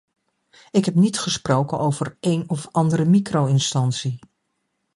Ik heb niet gesproken over een of andere micro-instantie.